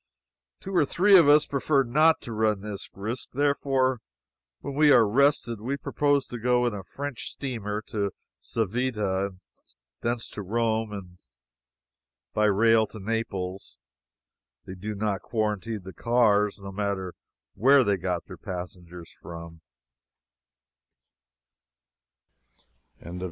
Two or three of us prefer not to run this risk. Therefore, when we are rested, we propose to go in a French steamer to Civita and from thence to Rome, and by rail to Naples. They do not quarantine the cars, no matter where they got their passengers from.